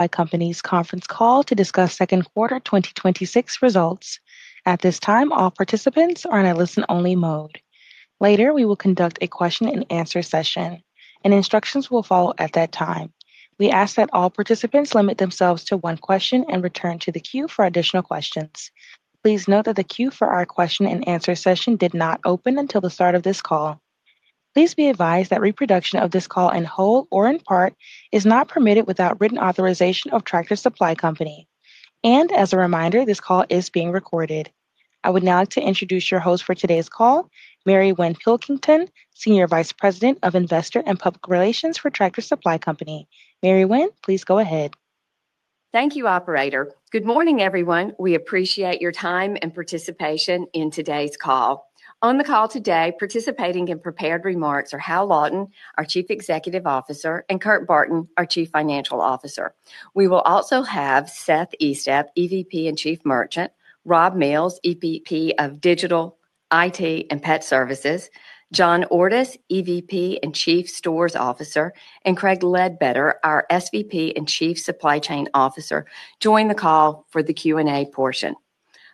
Tractor Supply Company's conference call to discuss Q2 2026 results. At this time, all participants are in a listen-only mode. Later, we will conduct a question and answer session, and instructions will follow at that time. We ask that all participants limit themselves to one question and return to the queue for additional questions. Please note that the queue for our question and answer session did not open until the start of this call. Please be advised that reproduction of this call in whole or in part is not permitted without written authorization of Tractor Supply Company. As a reminder, this call is being recorded. I would now like to introduce your host for today's call, Mary Winn Pilkington, Senior Vice President of Investor and Public Relations for Tractor Supply Company. Mary Winn, please go ahead. Thank you, operator. Good morning, everyone. We appreciate your time and participation in today's call. On the call today, participating in prepared remarks are Hal Lawton, our Chief Executive Officer, and Kurt Barton, our Chief Financial Officer. We will also have Seth Estep, EVP and Chief Merchant, Rob Mills, EVP of Digital, IT, and Pet Services, John Ordus, EVP and Chief Stores Officer, and Craig Ledbetter, our SVP and Chief Supply Chain Officer, join the call for the Q&A portion.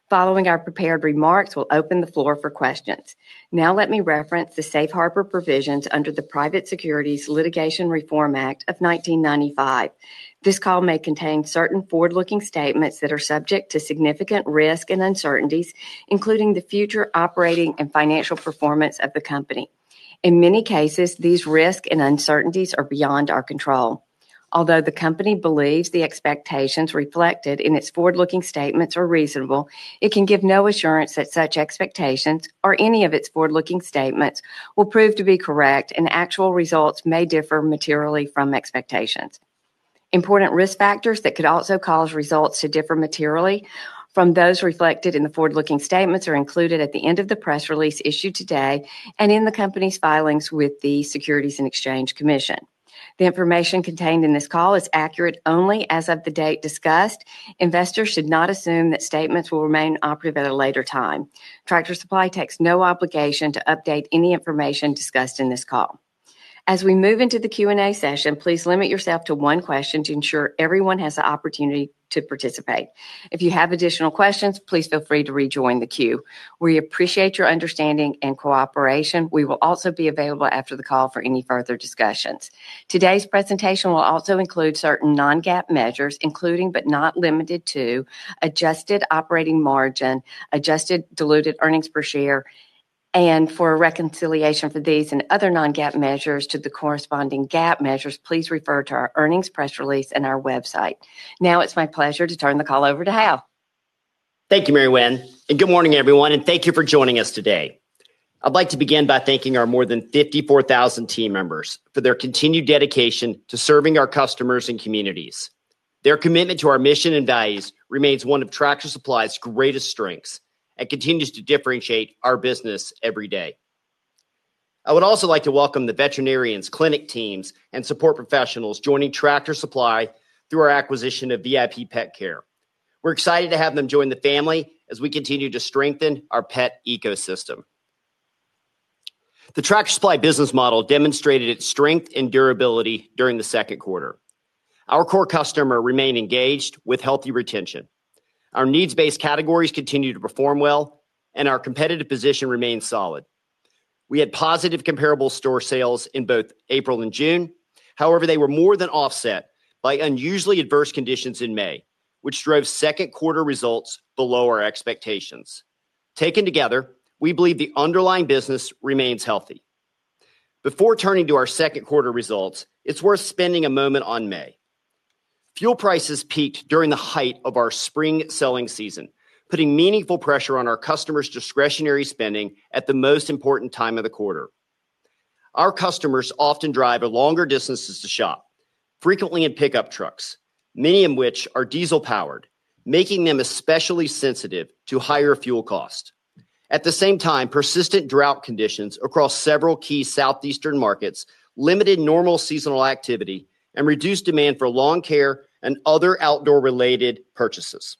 Following our prepared remarks, we will open the floor for questions. Let me reference the Private Securities Litigation Reform Act of 1995. This call may contain certain forward-looking statements that are subject to significant risk and uncertainties, including the future operating and financial performance of the company. In many cases, these risks and uncertainties are beyond our control. Although the company believes the expectations reflected in its forward-looking statements are reasonable, it can give no assurance that such expectations or any of its forward-looking statements will prove to be correct, and actual results may differ materially from expectations. Important risk factors that could also cause results to differ materially from those reflected in the forward-looking statements are included at the end of the press release issued today and in the company's filings with the Securities and Exchange Commission. The information contained in this call is accurate only as of the date discussed. Investors should not assume that statements will remain operative at a later time. Tractor Supply takes no obligation to update any information discussed in this call. As we move into the Q&A session, please limit yourself to one question to ensure everyone has the opportunity to participate. If you have additional questions, please feel free to rejoin the queue. We appreciate your understanding and cooperation. We will also be available after the call for any further discussions. Today's presentation will also include certain non-GAAP measures, including, but not limited to, adjusted operating margin, adjusted diluted earnings per share. For a reconciliation for these and other non-GAAP measures to the corresponding GAAP measures, please refer to our earnings press release and our website. It is my pleasure to turn the call over to Hal. Thank you, Mary Winn. Good morning, everyone, and thank you for joining us today. I'd like to begin by thanking our more than 54,000 team members for their continued dedication to serving our customers and communities. Their commitment to our mission and values remains one of Tractor Supply's greatest strengths and continues to differentiate our business every day. I would also like to welcome the veterinarians, clinic teams, and support professionals joining Tractor Supply through our acquisition of VIP Petcare. We're excited to have them join the family as we continue to strengthen our pet ecosystem. The Tractor Supply business model demonstrated its strength and durability during the Q2. Our core customer remained engaged with healthy retention. Our needs-based categories continued to perform well, and our competitive position remained solid. We had positive comparable store sales in both April and June. However, they were more than offset by unusually adverse conditions in May, which drove Q2 results below our expectations. Taken together, we believe the underlying business remains healthy. Before turning to our Q2 results, it's worth spending a moment on May. Fuel prices peaked during the height of our spring selling season, putting meaningful pressure on our customers' discretionary spending at the most important time of the quarter. Our customers often drive longer distances to shop, frequently in pickup trucks, many of which are diesel-powered, making them especially sensitive to higher fuel cost. At the same time, persistent drought conditions across several key southeastern markets limited normal seasonal activity and reduced demand for lawn care and other outdoor-related purchases.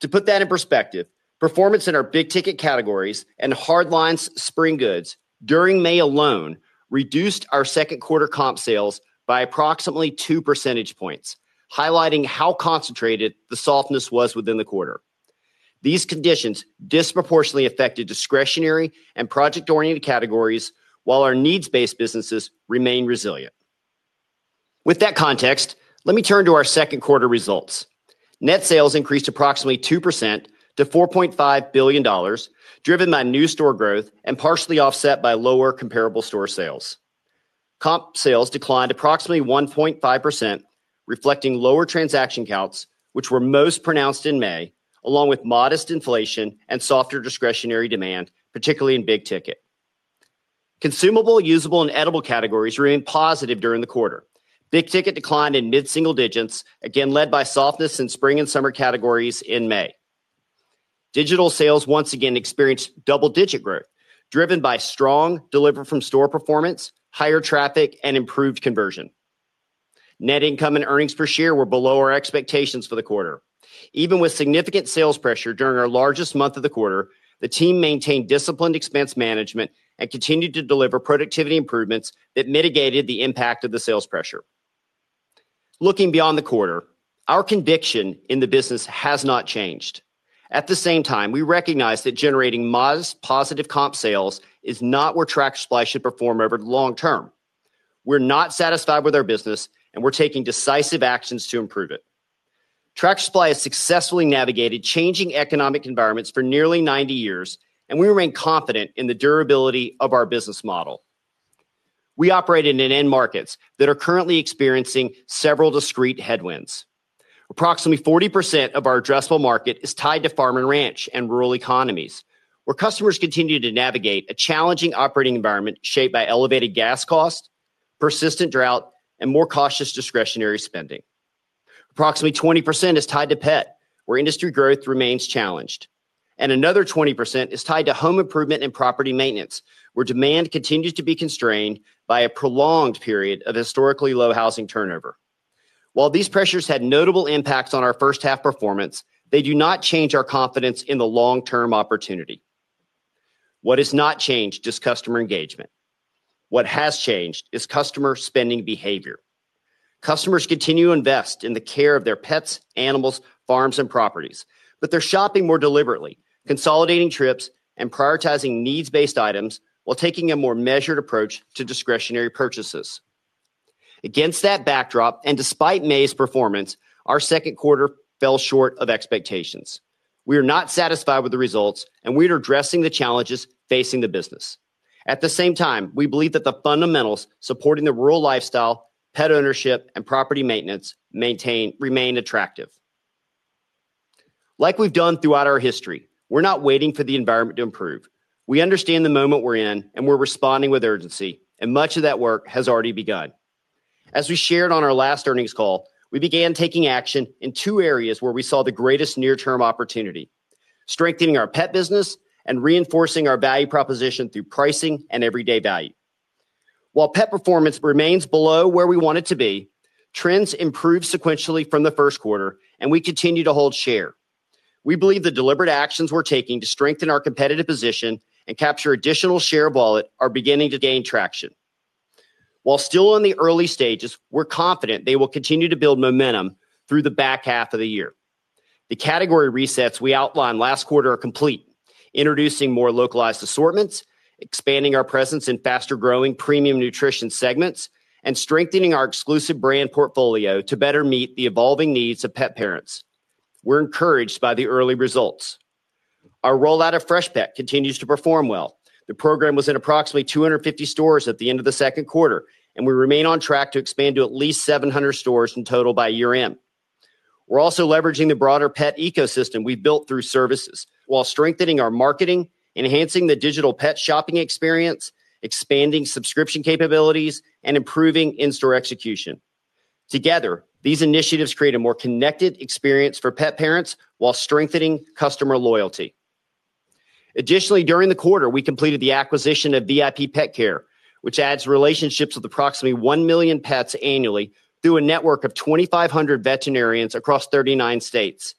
To put that in perspective, performance in our big ticket categories and hard lines spring goods during May alone reduced our Q2 comp sales by approximately two percentage points, highlighting how concentrated the softness was within the quarter. These conditions disproportionately affected discretionary and project-oriented categories, while our needs-based businesses remained resilient. With that context, let me turn to our Q2 results. Net sales increased approximately 2% to $4.5 billion, driven by new store growth and partially offset by lower comparable store sales. Comp sales declined approximately 1.5%, reflecting lower transaction counts, which were most pronounced in May, along with modest inflation and softer discretionary demand, particularly in big ticket. Consumable, usable, and edible categories remained positive during the quarter. Big ticket declined in mid-single digits, again led by softness in spring and summer categories in May. Digital sales once again experienced double-digit growth, driven by strong deliver-from-store performance, higher traffic, and improved conversion. Net income and earnings per share were below our expectations for the quarter. Even with significant sales pressure during our largest month of the quarter, the team maintained disciplined expense management and continued to deliver productivity improvements that mitigated the impact of the sales pressure. Looking beyond the quarter, our conviction in the business has not changed. At the same time, we recognize that generating modest, positive comp sales is not where Tractor Supply should perform over the long term. We're not satisfied with our business, and we're taking decisive actions to improve it. Tractor Supply has successfully navigated changing economic environments for nearly 90 years, and we remain confident in the durability of our business model. We operate in end markets that are currently experiencing several discrete headwinds. Approximately 40% of our addressable market is tied to farm and ranch and rural economies, where customers continue to navigate a challenging operating environment shaped by elevated gas costs, persistent drought, and more cautious discretionary spending. Approximately 20% is tied to pet, where industry growth remains challenged, and another 20% is tied to home improvement and property maintenance, where demand continues to be constrained by a prolonged period of historically low housing turnover. While these pressures had notable impacts on our H1 performance, they do not change our confidence in the long-term opportunity. What has not changed is customer engagement. What has changed is customer spending behavior. Customers continue to invest in the care of their pets, animals, farms, and properties, but they're shopping more deliberately, consolidating trips, and prioritizing needs-based items while taking a more measured approach to discretionary purchases. Against that backdrop, despite May's performance, our Q2 fell short of expectations. We are not satisfied with the results, we are addressing the challenges facing the business. At the same time, we believe that the fundamentals supporting the rural lifestyle, pet ownership, and property maintenance remain attractive. Like we've done throughout our history, we're not waiting for the environment to improve. We understand the moment we're in, we're responding with urgency, much of that work has already begun. As we shared on our last earnings call, we began taking action in two areas where we saw the greatest near-term opportunity, strengthening our pet business and reinforcing our value proposition through pricing and everyday value. While pet performance remains below where we want it to be, trends improved sequentially from the Q1, we continue to hold share. We believe the deliberate actions we're taking to strengthen our competitive position and capture additional share wallet are beginning to gain traction. While still in the early stages, we're confident they will continue to build momentum through the back half of the year. The category resets we outlined last quarter are complete, introducing more localized assortments, expanding our presence in faster-growing premium nutrition segments, and strengthening our exclusive brand portfolio to better meet the evolving needs of pet parents. We're encouraged by the early results. Our rollout of Freshpet continues to perform well. The program was in approximately 250 stores at the end of the Q2, we remain on track to expand to at least 700 stores in total by year-end. We're also leveraging the broader pet ecosystem we've built through services while strengthening our marketing, enhancing the digital pet shopping experience, expanding subscription capabilities, and improving in-store execution. Together, these initiatives create a more connected experience for pet parents while strengthening customer loyalty. Additionally, during the quarter, we completed the acquisition of VIP Petcare, which adds relationships with approximately 1 million pets annually through a network of 2,500 veterinarians across 39 states.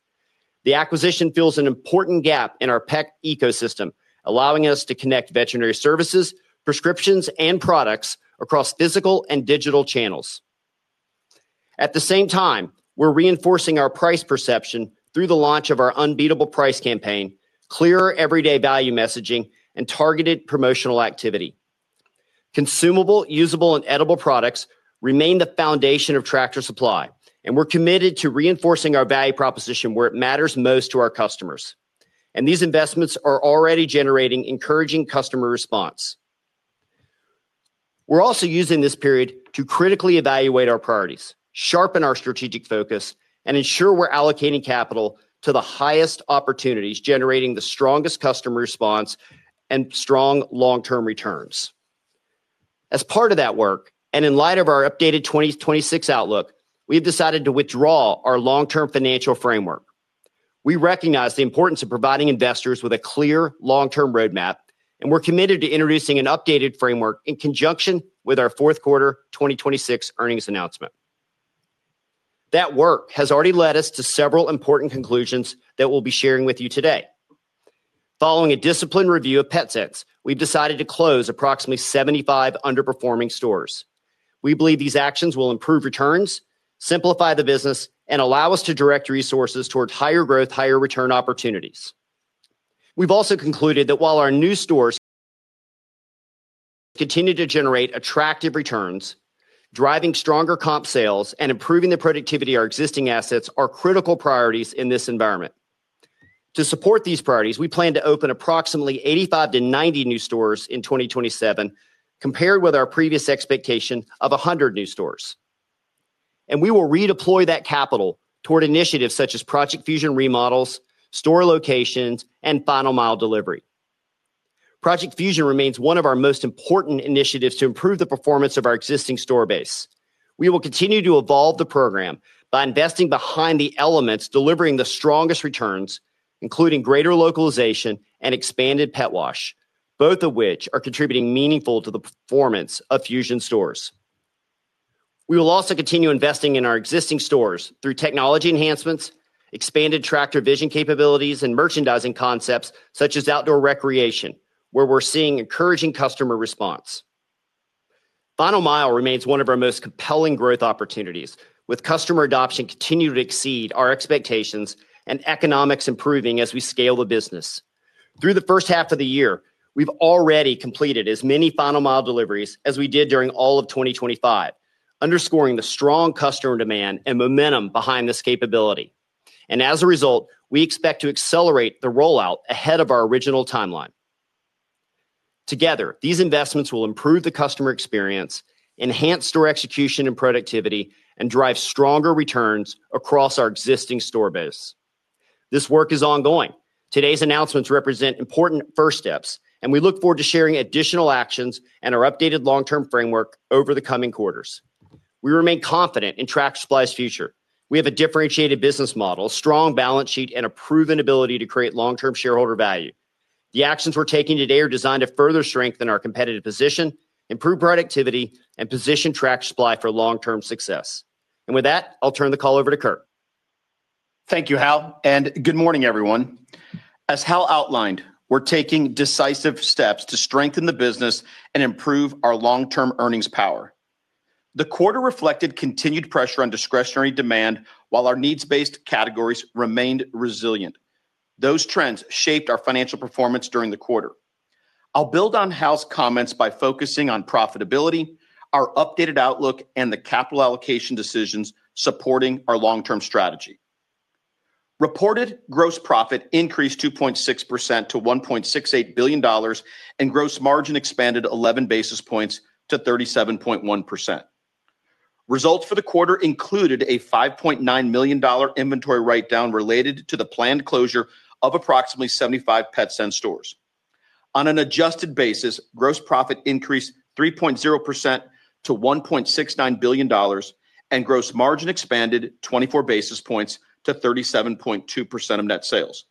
The acquisition fills an important gap in our pet ecosystem, allowing us to connect veterinary services, prescriptions, and products across physical and digital channels. At the same time, we're reinforcing our price perception through the launch of our unbeatable price campaign, clearer everyday value messaging, and targeted promotional activity. Consumable, usable, and edible products remain the foundation of Tractor Supply, we're committed to reinforcing our value proposition where it matters most to our customers. These investments are already generating encouraging customer response. We're also using this period to critically evaluate our priorities, sharpen our strategic focus, and ensure we're allocating capital to the highest opportunities generating the strongest customer response and strong long-term returns. As part of that work, in light of our updated 2026 outlook, we have decided to withdraw our long-term financial framework. We recognize the importance of providing investors with a clear long-term roadmap, and we're committed to introducing an updated framework in conjunction with our Q4 2026 earnings announcement. That work has already led us to several important conclusions that we'll be sharing with you today. Following a disciplined review of Petsense, we've decided to close approximately 75 underperforming stores. We believe these actions will improve returns, simplify the business, and allow us to direct resources towards higher growth, higher return opportunities. We've also concluded that while our new stores continue to generate attractive returns, driving stronger comp sales and improving the productivity of our existing assets are critical priorities in this environment. To support these priorities, we plan to open approximately 85-90 new stores in 2027, compared with our previous expectation of 100 new stores. We will redeploy that capital toward initiatives such as Project Fusion remodels, store locations, and Final Mile delivery. Project Fusion remains one of our most important initiatives to improve the performance of our existing store base. We will continue to evolve the program by investing behind the elements delivering the strongest returns, including greater localization and expanded pet wash, both of which are contributing meaningful to the performance of Fusion stores. We will also continue investing in our existing stores through technology enhancements, expanded Tractor Vision capabilities, and merchandising concepts such as outdoor recreation where we're seeing encouraging customer response. Final Mile remains one of our most compelling growth opportunities, with customer adoption continuing to exceed our expectations and economics improving as we scale the business. Through the H1 of the year, we've already completed as many Final Mile deliveries as we did during all of 2025, underscoring the strong customer demand and momentum behind this capability. As a result, we expect to accelerate the rollout ahead of our original timeline. Together, these investments will improve the customer experience, enhance store execution and productivity, and drive stronger returns across our existing store base. This work is ongoing. Today's announcements represent important first steps, we look forward to sharing additional actions and our updated long-term framework over the coming quarters. We remain confident in Tractor Supply's future. We have a differentiated business model, strong balance sheet, and a proven ability to create long-term shareholder value. The actions we're taking today are designed to further strengthen our competitive position, improve productivity, and position Tractor Supply for long-term success. With that, I'll turn the call over to Kurt. Thank you, Hal, and good morning, everyone. As Hal outlined, we're taking decisive steps to strengthen the business and improve our long-term earnings power. The quarter reflected continued pressure on discretionary demand while our needs-based categories remained resilient. Those trends shaped our financial performance during the quarter. I'll build on Hal's comments by focusing on profitability, our updated outlook, and the capital allocation decisions supporting our long-term strategy. Reported gross profit increased 2.6% to $1.68 billion, and gross margin expanded 11 basis points to 37.1%. Results for the quarter included a $5.9 million inventory write-down related to the planned closure of approximately 75 Petsense stores. On an adjusted basis, gross profit increased 3.0% to $1.69 billion, and gross margin expanded 24 basis points to 37.2% of net sales.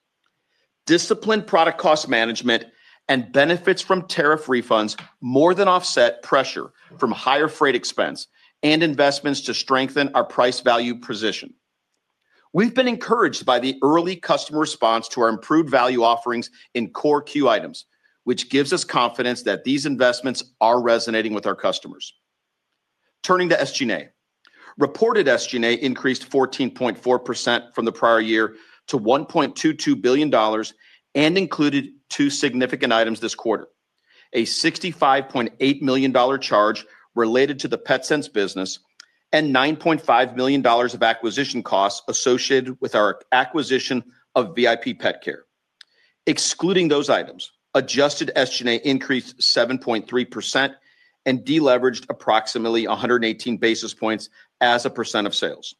Disciplined product cost management and benefits from tariff refunds more than offset pressure from higher freight expense and investments to strengthen our price-value position. We've been encouraged by the early customer response to our improved value offerings in core queue items, which gives us confidence that these investments are resonating with our customers. Turning to SG&A. Reported SG&A increased 14.4% from the prior year to $1.22 billion and included two significant items this quarter, a $65.8 million charge related to the Petsense business and $9.5 million of acquisition costs associated with our acquisition of VIP Petcare. Excluding those items, adjusted SG&A increased 7.3% and deleveraged approximately 118 basis points as a % of sales.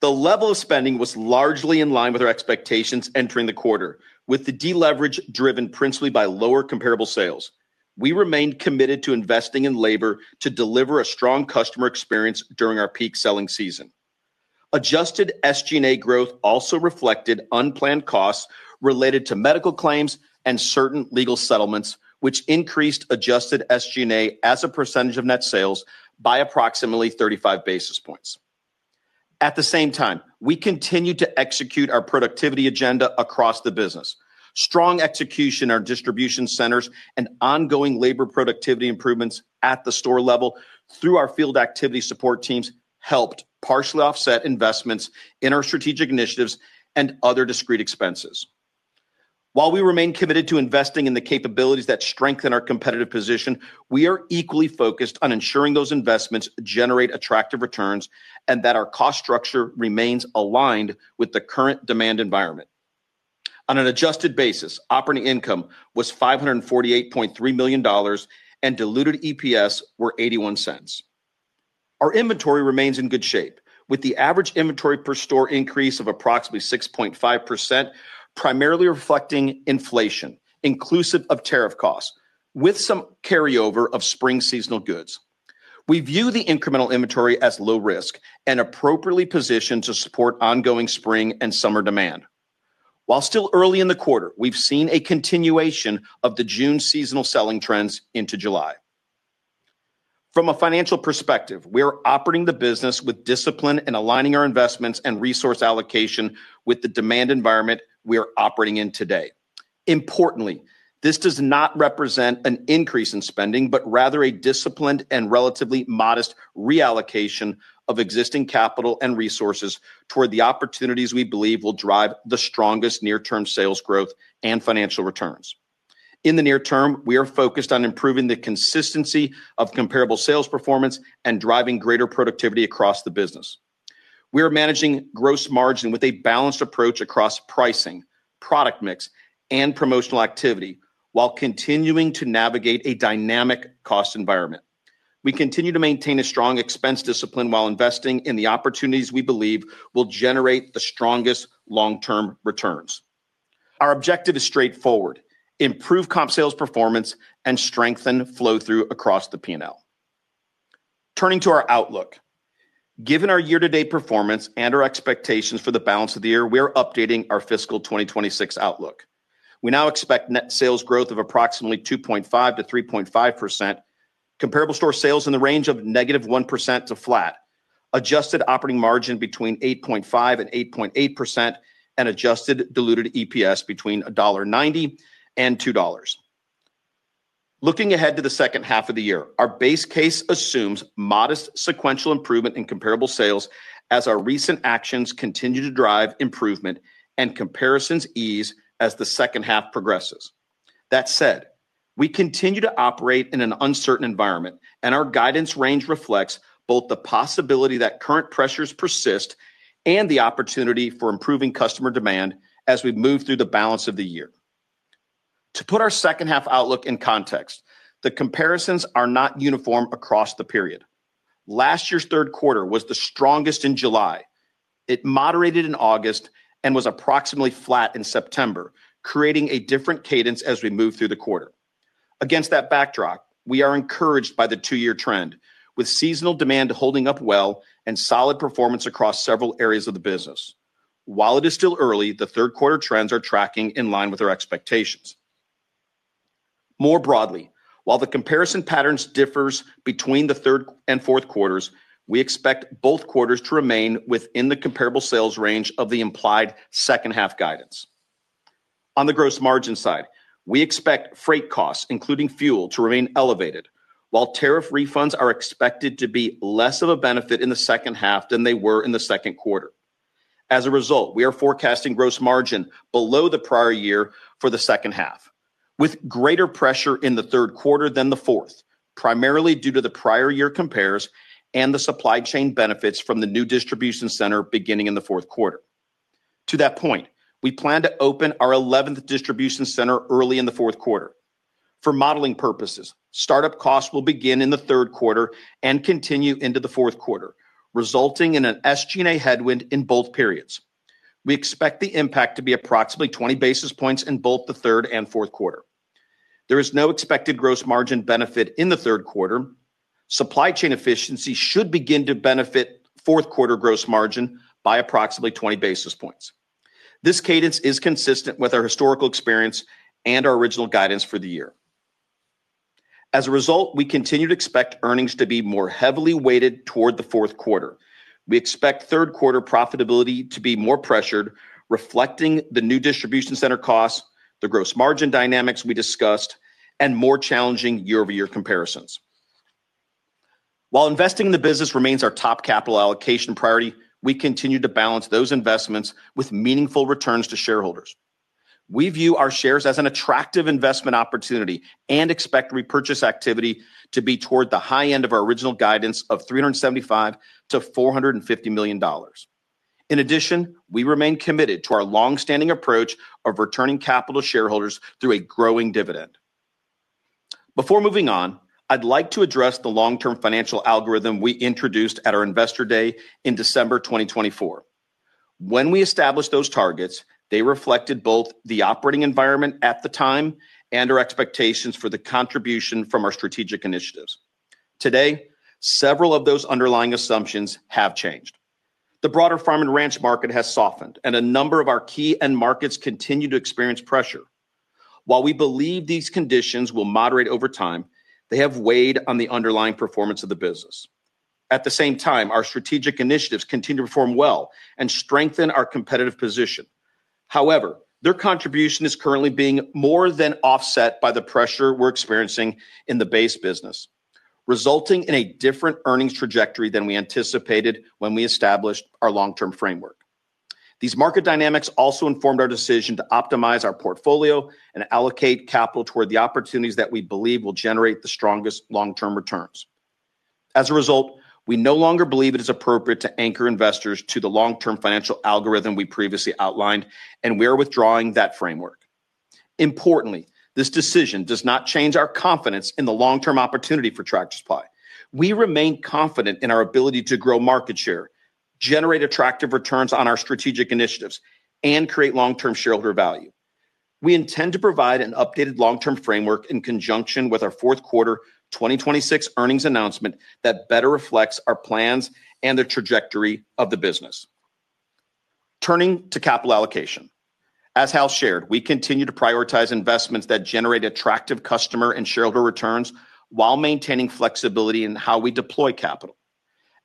The level of spending was largely in line with our expectations entering the quarter, with the deleverage driven principally by lower comparable sales. We remained committed to investing in labor to deliver a strong customer experience during our peak selling season. Adjusted SG&A growth also reflected unplanned costs related to medical claims and certain legal settlements, which increased adjusted SG&A as a % of net sales by approximately 35 basis points. At the same time, we continued to execute our productivity agenda across the business. Strong execution in our distribution centers and ongoing labor productivity improvements at the store level through our Field Activity Support Teams helped partially offset investments in our strategic initiatives and other discrete expenses. While we remain committed to investing in the capabilities that strengthen our competitive position, we are equally focused on ensuring those investments generate attractive returns and that our cost structure remains aligned with the current demand environment. On an adjusted basis, operating income was $548.3 million and diluted EPS were $0.81. Our inventory remains in good shape, with the average inventory per store increase of approximately 6.5%, primarily reflecting inflation, inclusive of tariff costs, with some carryover of spring seasonal goods. We view the incremental inventory as low risk and appropriately positioned to support ongoing spring and summer demand. While still early in the quarter, we've seen a continuation of the June seasonal selling trends into July. From a financial perspective, we are operating the business with discipline and aligning our investments and resource allocation with the demand environment we are operating in today. Importantly, this does not represent an increase in spending, but rather a disciplined and relatively modest reallocation of existing capital and resources toward the opportunities we believe will drive the strongest near-term sales growth and financial returns. In the near term, we are focused on improving the consistency of comparable sales performance and driving greater productivity across the business. We are managing gross margin with a balanced approach across pricing, product mix, and promotional activity while continuing to navigate a dynamic cost environment. We continue to maintain a strong expense discipline while investing in the opportunities we believe will generate the strongest long-term returns. Our objective is straightforward, improve comp sales performance and strengthen flow-through across the P&L. Turning to our outlook. Given our year-to-date performance and our expectations for the balance of the year, we are updating our fiscal 2026 outlook. We now expect net sales growth of approximately 2.5%-3.5%, comparable store sales in the range of -1% to flat, Adjusted operating margin between 8.5% and 8.8%, and adjusted diluted EPS between $1.90 and $2.00. Looking ahead to the H2 of the year, our base case assumes modest sequential improvement in comparable sales as our recent actions continue to drive improvement and comparisons ease as the H2 progresses. That said, we continue to operate in an uncertain environment, and our guidance range reflects both the possibility that current pressures persist and the opportunity for improving customer demand as we move through the balance of the year. To put our H2 outlook in context, the comparisons are not uniform across the period. Last year's Q3 was the strongest in July. It moderated in August and was approximately flat in September, creating a different cadence as we move through the quarter. Against that backdrop, we are encouraged by the two-year trend, with seasonal demand holding up well and solid performance across several areas of the business. While it is still early, the Q3 trends are tracking in line with our expectations. More broadly, while the comparison patterns differ between the third and Q4s, we expect both quarters to remain within the comparable sales range of the implied H2 guidance. On the gross margin side, we expect freight costs, including fuel, to remain elevated, while tariff refunds are expected to be less of a benefit in the H2 than they were in the Q2. As a result, we are forecasting gross margin below the prior year for the H2, with greater pressure in the Q3 than the fourth, primarily due to the prior year compares and the supply chain benefits from the new distribution center beginning in the Q4. To that point, we plan to open our 11th distribution center early in the Q4. For modeling purposes, start-up costs will begin in the Q3 and continue into the Q4, resulting in an SG&A headwind in both periods. We expect the impact to be approximately 20 basis points in both the third and Q4. There is no expected gross margin benefit in the Q3. Supply chain efficiency should begin to benefit Q4 gross margin by approximately 20 basis points. This cadence is consistent with our historical experience and our original guidance for the year. As a result, we continue to expect earnings to be more heavily weighted toward the Q4. We expect Q3 profitability to be more pressured, reflecting the new distribution center costs, the gross margin dynamics we discussed, and more challenging year-over-year comparisons. While investing in the business remains our top capital allocation priority, we continue to balance those investments with meaningful returns to shareholders. We view our shares as an attractive investment opportunity and expect repurchase activity to be toward the high end of our original guidance of $375 million-$450 million. In addition, we remain committed to our longstanding approach of returning capital to shareholders through a growing dividend. Before moving on, I'd like to address the long-term financial algorithm we introduced at our Investor Day in December 2024. When we established those targets, they reflected both the operating environment at the time and our expectations for the contribution from our strategic initiatives. Today, several of those underlying assumptions have changed. The broader farm and ranch market has softened, and a number of our key end markets continue to experience pressure. While we believe these conditions will moderate over time, they have weighed on the underlying performance of the business. At the same time, our strategic initiatives continue to perform well and strengthen our competitive position. However, their contribution is currently being more than offset by the pressure we're experiencing in the base business, resulting in a different earnings trajectory than we anticipated when we established our long-term framework. These market dynamics also informed our decision to optimize our portfolio and allocate capital toward the opportunities that we believe will generate the strongest long-term returns. As a result, we no longer believe it is appropriate to anchor investors to the long-term financial algorithm we previously outlined, and we are withdrawing that framework. Importantly, this decision does not change our confidence in the long-term opportunity for Tractor Supply. We remain confident in our ability to grow market share, generate attractive returns on our strategic initiatives, and create long-term shareholder value. We intend to provide an updated long-term framework in conjunction with our Q4 2026 earnings announcement that better reflects our plans and the trajectory of the business. Turning to capital allocation. As Hal shared, we continue to prioritize investments that generate attractive customer and shareholder returns while maintaining flexibility in how we deploy capital.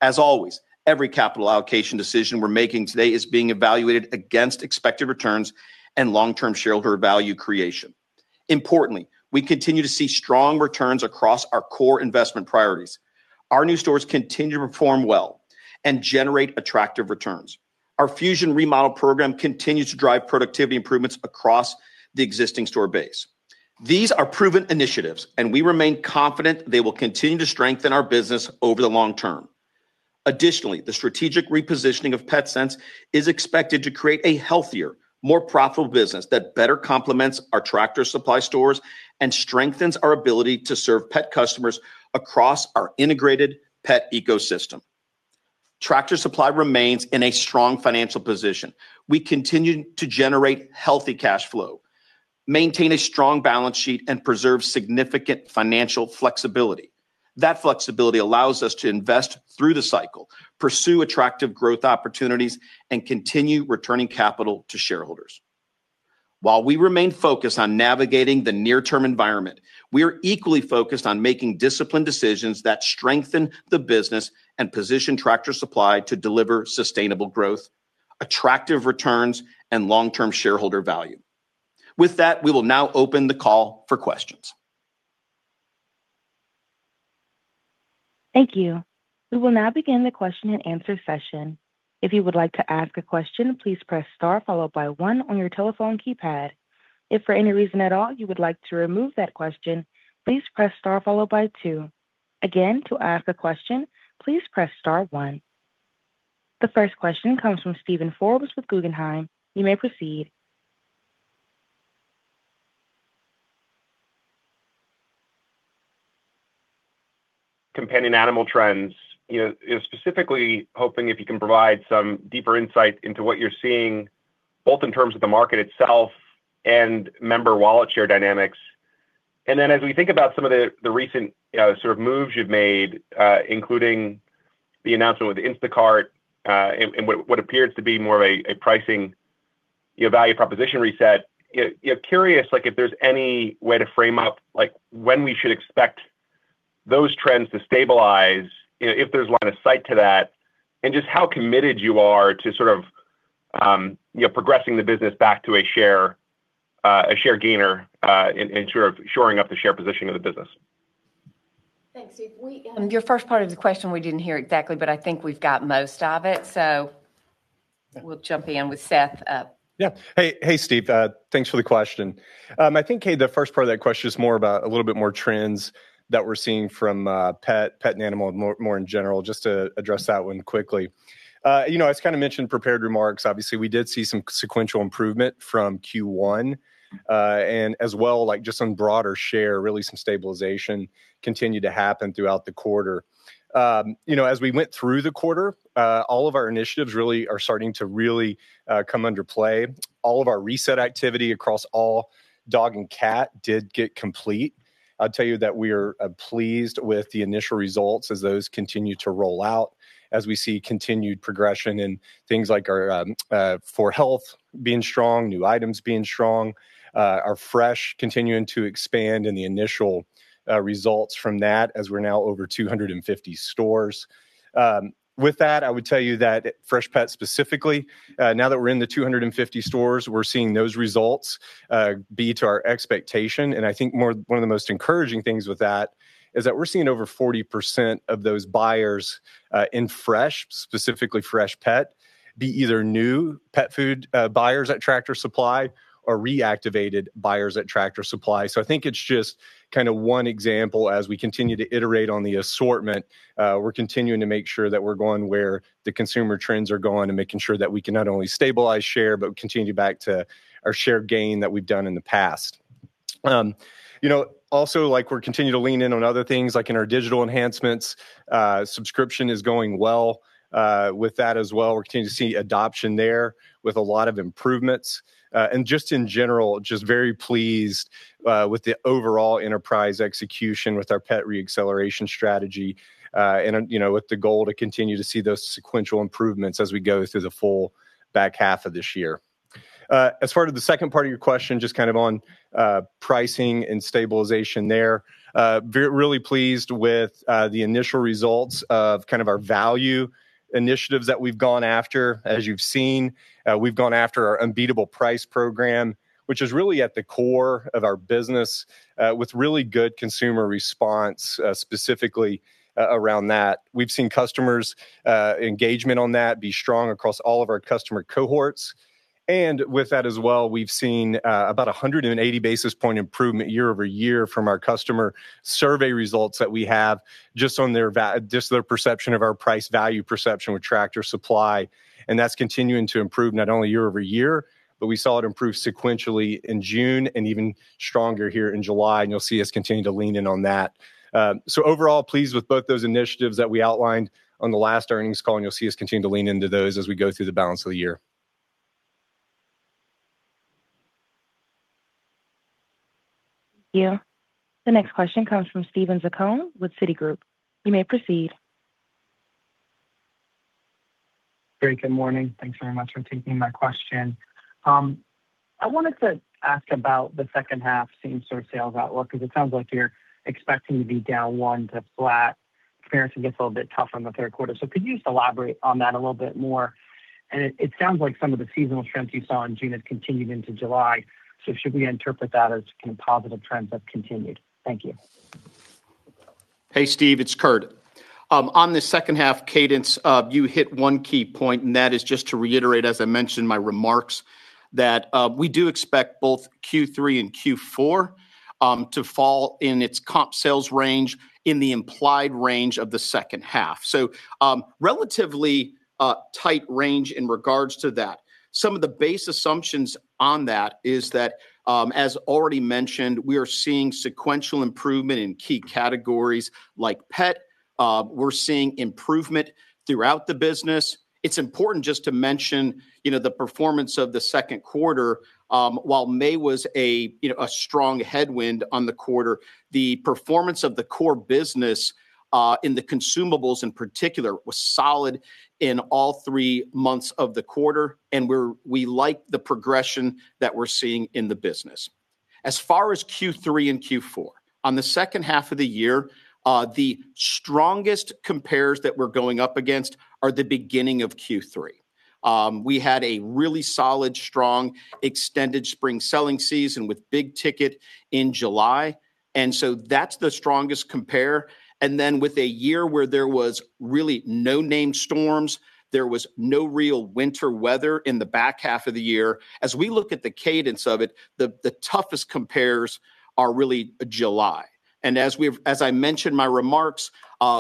As always, every capital allocation decision we're making today is being evaluated against expected returns and long-term shareholder value creation. Importantly, we continue to see strong returns across our core investment priorities. Our new stores continue to perform well and generate attractive returns. Our Fusion remodel program continues to drive productivity improvements across the existing store base. These are proven initiatives, and we remain confident they will continue to strengthen our business over the long term. Additionally, the strategic repositioning of Petsense is expected to create a healthier, more profitable business that better complements our Tractor Supply stores and strengthens our ability to serve pet customers across our integrated pet ecosystem. Tractor Supply remains in a strong financial position. We continue to generate healthy cash flow, maintain a strong balance sheet, and preserve significant financial flexibility. That flexibility allows us to invest through the cycle, pursue attractive growth opportunities, and continue returning capital to shareholders. While we remain focused on navigating the near-term environment, we are equally focused on making disciplined decisions that strengthen the business and position Tractor Supply to deliver sustainable growth, attractive returns, and long-term shareholder value. With that, we will now open the call for questions. Thank you. We will now begin the question and answer session. If you would like to ask a question, please press star followed by one on your telephone keypad. If for any reason at all you would like to remove that question, please press star followed by two. Again, to ask a question, please press star one. The first question comes from Steven Forbes with Guggenheim. You may proceed. Companion animal trends. Specifically hoping if you can provide some deeper insight into what you're seeing, both in terms of the market itself and member wallet share dynamics. As we think about some of the recent sort of moves you've made, including the announcement with Instacart, and what appears to be more of a pricing value proposition reset. Curious if there's any way to frame up when we should expect those trends to stabilize, if there's line of sight to that, and just how committed you are to sort of progressing the business back to a share gainer, and shoring up the share position of the business. Thanks, Steven. Your first part of the question we didn't hear exactly, but I think we've got most of it, so we'll jump in with Seth. Hey, Steven. Thanks for the question. I think, hey, the first part of that question is more about a little bit more trends that we're seeing from pet and animal more in general, just to address that one quickly. As mentioned in prepared remarks, obviously, we did see some sequential improvement from Q1. As well, just some broader share, some stabilization continue to happen throughout the quarter. As we went through the quarter, all of our initiatives are starting to come under play. All of our reset activity across all dog and cat did get complete. I'll tell you that we are pleased with the initial results as those continue to roll out, as we see continued progression in things like our 4-H being strong, new items being strong, our Freshpet continuing to expand in the initial results from that as we're now over 250 stores. With that, I would tell you that Freshpet specifically, now that we're in the 250 stores, we're seeing those results be to our expectation. I think one of the most encouraging things with that is that we're seeing over 40% of those buyers in Freshpet, specifically Freshpet, be either new pet food buyers at Tractor Supply or reactivated buyers at Tractor Supply. I think it's just kind of one example as we continue to iterate on the assortment. We're continuing to make sure that we're going where the consumer trends are going and making sure that we can not only stabilize share, but continue back to our share gain that we've done in the past. Also, we're continuing to lean in on other things like in our digital enhancements. Subscription is going well with that as well. We're continuing to see adoption there with a lot of improvements. Just in general, just very pleased with the overall enterprise execution with our pet re-acceleration strategy, and with the goal to continue to see those sequential improvements as we go through the full back half of this year. As far as the second part of your question, just kind of on pricing and stabilization there. Really pleased with the initial results of kind of our value initiatives that we've gone after. As you've seen, we've gone after our Unbeatable Price program, which is really at the core of our business with really good consumer response, specifically around that. We've seen customers' engagement on that be strong across all of our customer cohorts. With that as well, we've seen about 180 basis point improvement year-over-year from our customer survey results that we have just on their perception of our price-value perception with Tractor Supply, and that's continuing to improve not only year-over-year, but we saw it improve sequentially in June and even stronger here in July. You'll see us continue to lean in on that. Overall, pleased with both those initiatives that we outlined on the last earnings call, and you'll see us continue to lean into those as we go through the balance of the year. Thank you. The next question comes from Steven Zaccone with Citigroup. You may proceed. Very good morning. Thanks very much for taking my question. I wanted to ask about the H2 same-store sales outlook, because it sounds like you're expecting to be down 1% to flat. Comparison gets a little bit tougher in the Q3. Could you just elaborate on that a little bit more? It sounds like some of the seasonal trends you saw in June have continued into July. Should we interpret that as kind of positive trends have continued? Thank you. Hey, Steven, it's Kurt. On the H2 cadence, you hit one key point, that is just to reiterate, as I mentioned in my remarks, that we do expect both Q3 and Q4 to fall in its comp sales range in the implied range of the H2. Relatively tight range in regards to that. Some of the base assumptions on that is that, as already mentioned, we are seeing sequential improvement in key categories like pet. We're seeing improvement throughout the business. It's important just to mention the performance of the Q2. While May was a strong headwind on the quarter, the performance of the core business, in the consumables in particular, was solid in all three months of the quarter, we like the progression that we're seeing in the business. As far as Q3 and Q4, on the H2 of the year, the strongest compares that we're going up against are the beginning of Q3. We had a really solid, strong extended spring selling season with big ticket in July, that's the strongest compare. With a year where there was really no name storms, there was no real winter weather in the back half of the year. As we look at the cadence of it, the toughest compares are really July. As I mentioned in my remarks,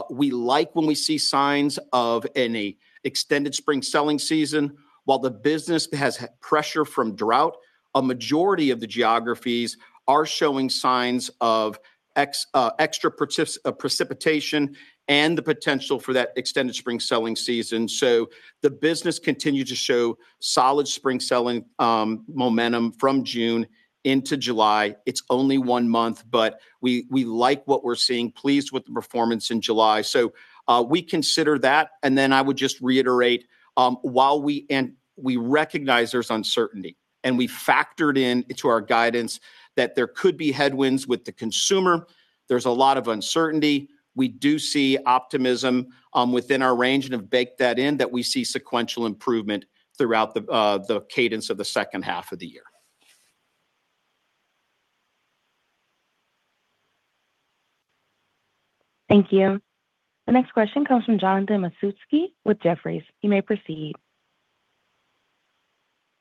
we like when we see signs of any extended spring selling season. While the business has pressure from drought, a majority of the geographies are showing signs of extra precipitation and the potential for that extended spring selling season. The business continued to show solid spring selling momentum from June into July. It's only one month, but we like what we're seeing. Pleased with the performance in July. We consider that, I would just reiterate, we recognize there's uncertainty, we factored in to our guidance that there could be headwinds with the consumer. There's a lot of uncertainty. We do see optimism within our range and have baked that in that we see sequential improvement throughout the cadence of the H2 of the year. Thank you. The next question comes from Jonathan Matuszewski with Jefferies. You may proceed.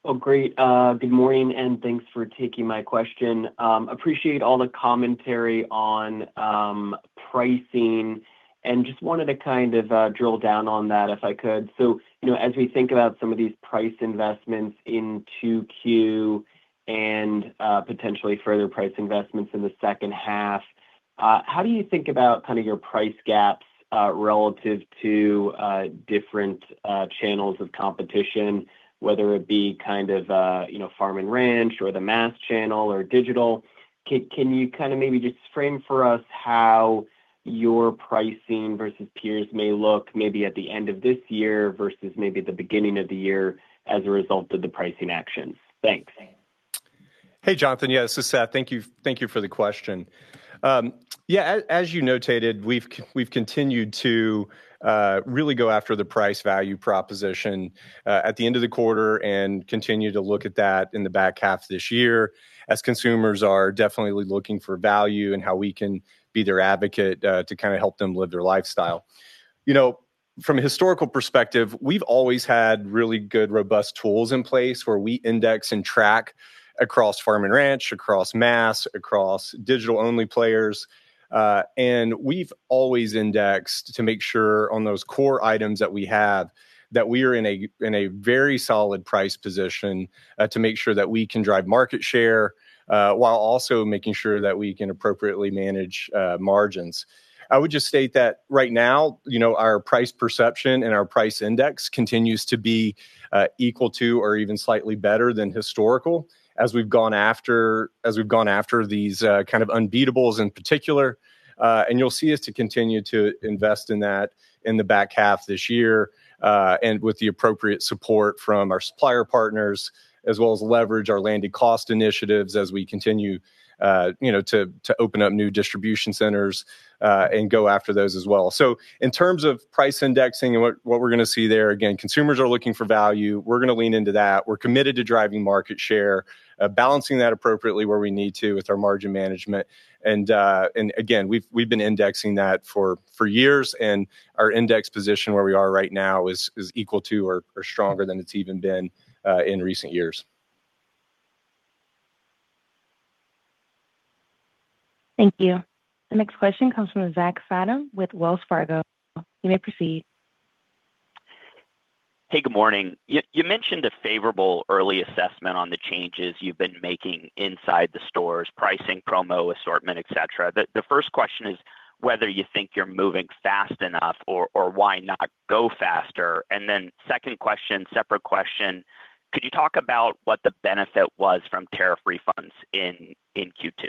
Well, great. Good morning, thanks for taking my question. Appreciate all the commentary on pricing, just wanted to kind of drill down on that if I could. As we think about some of these price investments in Q2 and potentially further price investments in the H2, how do you think about kind of your price gaps, relative to different channels of competition, whether it be kind of farm and ranch or the mass channel or digital? Can you kind of maybe just frame for us how your pricing versus peers may look maybe at the end of this year versus maybe at the beginning of the year as a result of the pricing actions? Thanks. Hey, Jonathan. This is Seth. Thank you for the question. As you notated, we've continued to really go after the price value proposition at the end of the quarter and continue to look at that in the back half of this year, as consumers are definitely looking for value and how we can be their advocate to kind of help them live their lifestyle. From a historical perspective, we've always had really good, robust tools in place where we index and track across farm and ranch, across mass, across digital-only players. We've always indexed to make sure on those core items that we have, that we are in a very solid price position to make sure that we can drive market share, while also making sure that we can appropriately manage margins. I would just state that right now, our price perception and our price index continues to be equal to or even slightly better than historical as we've gone after these kind of unbeatables in particular. You'll see us to continue to invest in that in the back half this year, and with the appropriate support from our supplier partners, as well as leverage our landed cost initiatives as we continue to open up new distribution centers, go after those as well. In terms of price indexing and what we're going to see there, again, consumers are looking for value. We're going to lean into that. We're committed to driving market share, balancing that appropriately where we need to with our margin management. Again, we've been indexing that for years, and our index position where we are right now is equal to or stronger than it's even been, in recent years. Thank you. The next question comes from Zach Fadem with Wells Fargo. You may proceed. Hey, good morning. You mentioned a favorable early assessment on the changes you've been making inside the stores, pricing, promo, assortment, et cetera. The first question is whether you think you're moving fast enough or why not go faster? Second question, separate question, could you talk about what the benefit was from tariff refunds in Q2?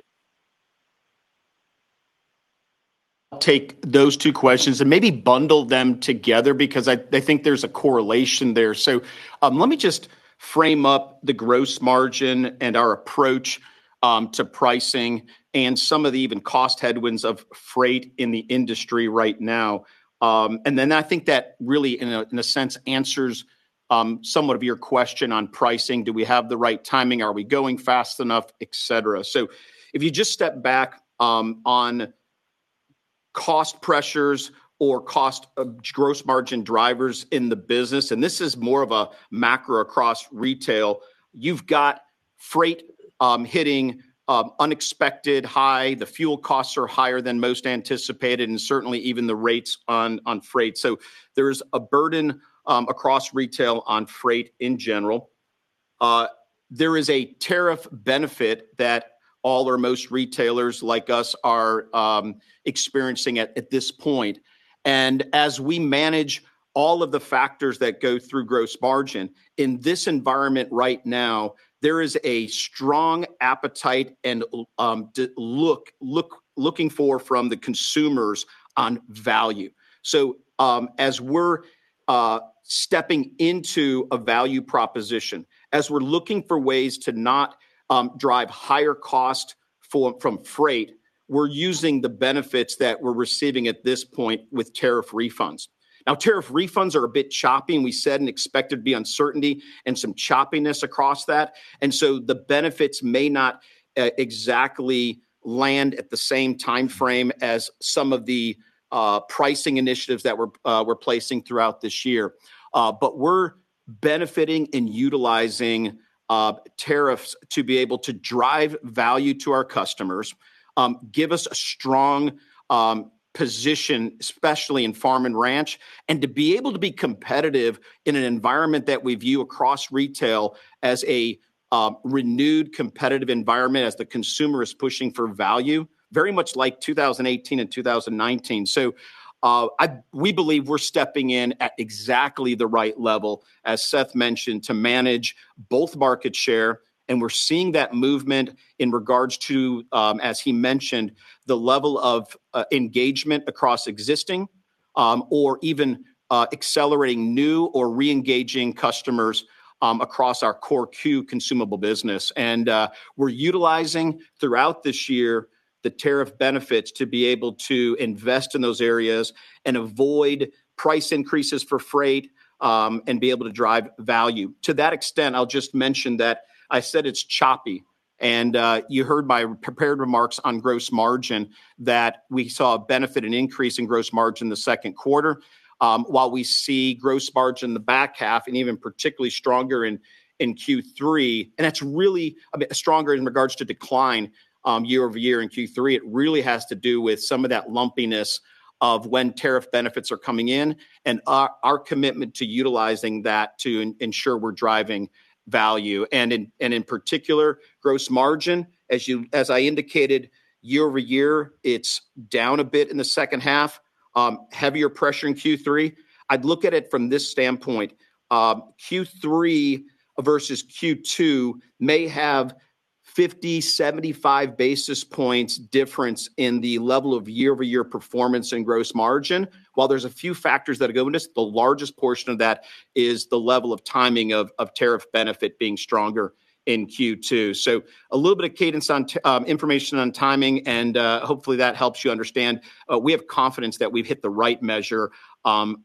I'll take those two questions and maybe bundle them together because I think there's a correlation there. Let me just frame up the gross margin and our approach to pricing and some of the even cost headwinds of freight in the industry right now. I think that really, in a sense, answers somewhat of your question on pricing. Do we have the right timing? Are we going fast enough, et cetera? If you just step back on cost pressures or cost of gross margin drivers in the business, and this is more of a macro across retail, you've got freight hitting unexpected high. The fuel costs are higher than most anticipated and certainly even the rates on freight. There's a burden across retail on freight in general. There is a tariff benefit that all or most retailers like us are experiencing at this point. As we manage all of the factors that go through gross margin, in this environment right now, there is a strong appetite and looking for from the consumers on value. As we're stepping into a value proposition, as we're looking for ways to not drive higher cost from freight, we're using the benefits that we're receiving at this point with tariff refunds. Tariff refunds are a bit choppy, and we said and expected there'd be uncertainty and some choppiness across that. The benefits may not exactly land at the same timeframe as some of the pricing initiatives that we're placing throughout this year. We're benefiting in utilizing tariffs to be able to drive value to our customers, give us a strong position, especially in farm and ranch, and to be able to be competitive in an environment that we view across retail as a renewed competitive environment as the consumer is pushing for value. Very much like 2018 and 2019. We believe we're stepping in at exactly the right level, as Seth mentioned, to manage both market share, and we're seeing that movement in regards to, as he mentioned, the level of engagement across existing, or even accelerating new or reengaging customers across our core queue consumable business. We're utilizing throughout this year the tariff benefits to be able to invest in those areas and avoid price increases for freight, and be able to drive value. To that extent, I'll just mention that I said it's choppy, and you heard my prepared remarks on gross margin that we saw a benefit, an increase in gross margin the Q2, while we see gross margin in the back half and even particularly stronger in Q3. That's really stronger in regards to decline year-over-year in Q3. It really has to do with some of that lumpiness of when tariff benefits are coming in and our commitment to utilizing that to ensure we're driving value. In particular, gross margin, as I indicated, year-over-year, it's down a bit in the H2, heavier pressure in Q3. I'd look at it from this standpoint. Q3 versus Q2 may have 50-75 basis points difference in the level of year-over-year performance in gross margin. While there's a few factors that go into this, the largest portion of that is the level of timing of tariff benefit being stronger in Q2. A little bit of cadence on information on timing, and, hopefully, that helps you understand. We have confidence that we've hit the right measure on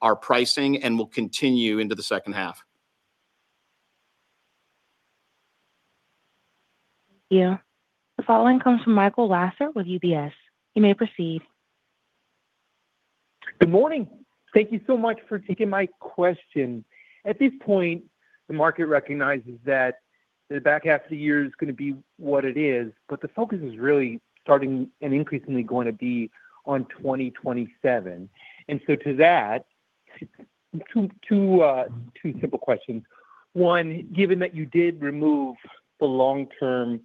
our pricing and will continue into the H2. Thank you. The following comes from Michael Lasser with UBS. You may proceed. Good morning. Thank you so much for taking my question. At this point, the market recognizes that the back half of the year is going to be what it is, but the focus is really starting and increasingly going to be on 2027. To that, two simple questions. One, given that you did remove the long-term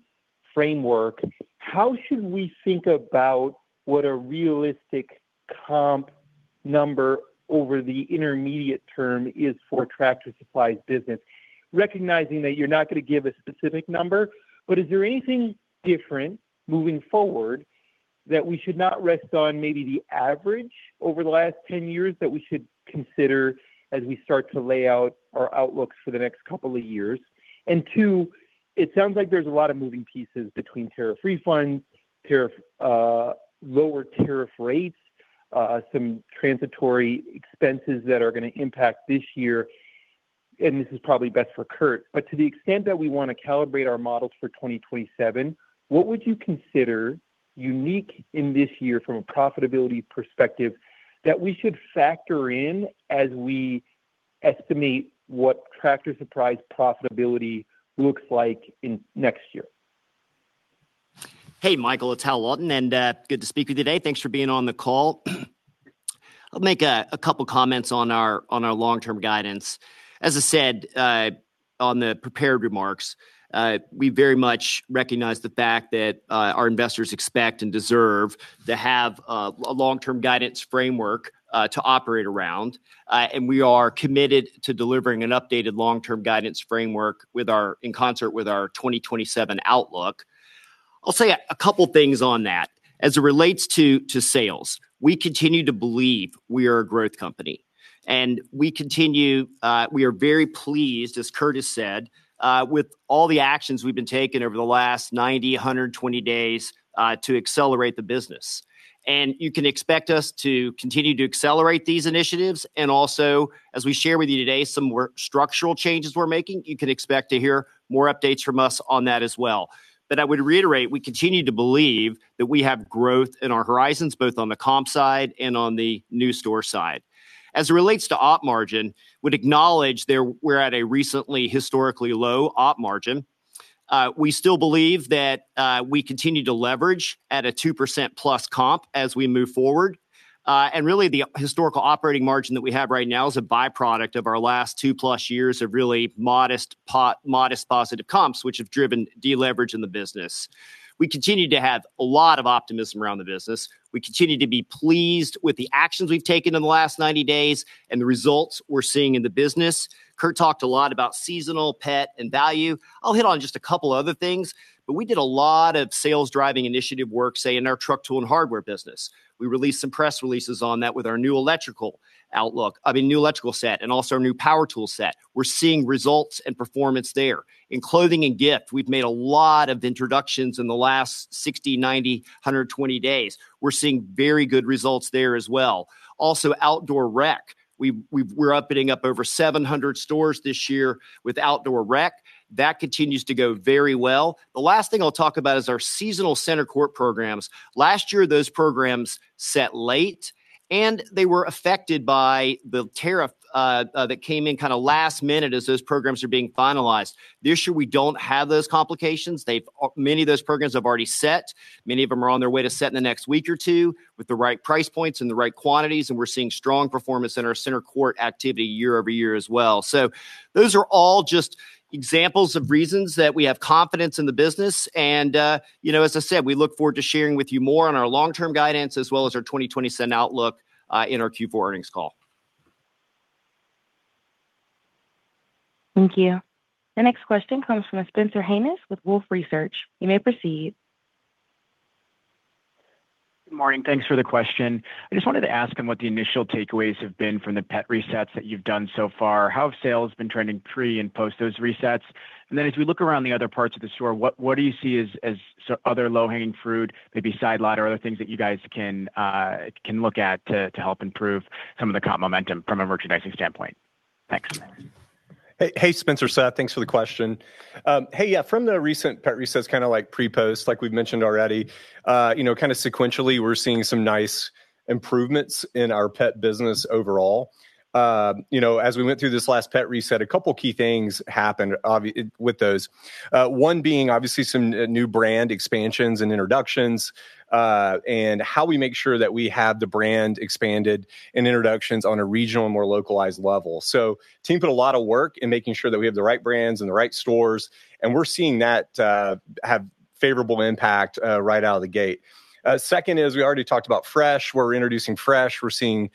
framework, how should we think about what a realistic comp number over the intermediate term is for Tractor Supply's business? Recognizing that you're not going to give a specific number, but is there anything different moving forward that we should not rest on maybe the average over the last 10 years that we should consider as we start to lay out our outlooks for the next couple of years? Two, it sounds like there's a lot of moving pieces between tariff refunds, lower tariff rates, some transitory expenses that are going to impact this year. This is probably best for Kurt. To the extent that we want to calibrate our models for 2027, what would you consider unique in this year from a profitability perspective that we should factor in as we estimate what Tractor Supply's profitability looks like next year? Hey, Michael, it's Hal Lawton, and good to speak with you today. Thanks for being on the call. I'll make a couple comments on our long-term guidance. As I said, on the prepared remarks, we very much recognize the fact that our investors expect and deserve to have a long-term guidance framework to operate around. We are committed to delivering an updated long-term guidance framework in concert with our 2027 outlook. I'll say a couple of things on that. As it relates to sales, we continue to believe we are a growth company, and we are very pleased, as Kurt had said, with all the actions we've been taking over the last 90, 120 days to accelerate the business. You can expect us to continue to accelerate these initiatives and also, as we shared with you today, some structural changes we're making. You can expect to hear more updates from us on that as well. I would reiterate, we continue to believe that we have growth in our horizons, both on the comp side and on the new store side. As it relates to op margin, would acknowledge we're at a recently historically low op margin We still believe that we continue to leverage at a 2% plus comp as we move forward. Really the historical operating margin that we have right now is a by-product of our last two plus years of really modest positive comps, which have driven deleverage in the business. We continue to have a lot of optimism around the business. We continue to be pleased with the actions we've taken in the last 90 days and the results we're seeing in the business. Kurt talked a lot about seasonal, pet, and value. I'll hit on just a couple other things, but we did a lot of sales driving initiative work, say in our truck tool and hardware business. We released some press releases on that with our new electrical set and also our new power tool set. We're seeing results and performance there. In clothing and gift, we've made a lot of introductions in the last 60, 90, 120 days. We're seeing very good results there as well. Also outdoor rec. We're upping up over 700 stores this year with outdoor rec. That continues to go very well. The last thing I'll talk about is our seasonal center court programs. Last year, those programs set late, and they were affected by the tariff that came in last minute as those programs were being finalized. This year, we don't have those complications. Many of those programs have already set. Many of them are on their way to set in the next week or two with the right price points and the right quantities, and we're seeing strong performance in our center court activity year over year as well. Those are all just examples of reasons that we have confidence in the business and, as I said, we look forward to sharing with you more on our long-term guidance as well as our 2027 outlook, in our Q4 earnings call. Thank you. The next question comes from Spencer Hanus with Wolfe Research. You may proceed. Good morning. Thanks for the question. I just wanted to ask on what the initial takeaways have been from the pet resets that you've done so far. How have sales been trending pre and post those resets? As we look around the other parts of the store, what do you see as other low-hanging fruit, maybe side lot or other things that you guys can look at to help improve some of the comp momentum from a merchandising standpoint? Thanks. Hey, Spencer. Seth. Thanks for the question. Hey, from the recent pet resets pre-post, like we've mentioned already, sequentially, we're seeing some nice improvements in our pet business overall. As we went through this last pet reset, a couple key things happened with those. One being obviously some new brand expansions and introductions, and how we make sure that we have the brand expanded and introductions on a regional, more localized level. The team put a lot of work in making sure that we have the right brands and the right stores, and we're seeing that have favorable impact right out of the gate. Second is we already talked about Fresh. We're introducing Fresh. We're seeing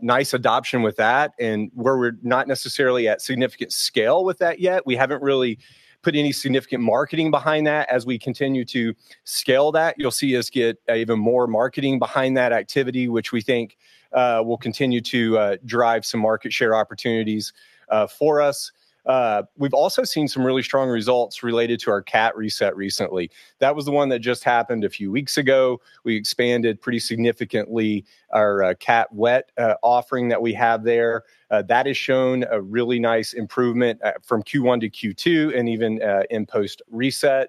nice adoption with that and where we're not necessarily at significant scale with that yet. We haven't really put any significant marketing behind that. As we continue to scale that, you'll see us get even more marketing behind that activity, which we think will continue to drive some market share opportunities for us. We've also seen some really strong results related to our cat reset recently. That was the one that just happened a few weeks ago. We expanded pretty significantly our cat wet offering that we have there. That has shown a really nice improvement from Q1-Q2 and even in post-reset.